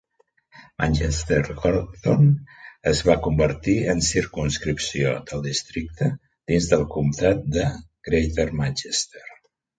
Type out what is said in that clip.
Manchester Gorton es va convertir en circumscripció del districte dins del comtat de Greater Manchester.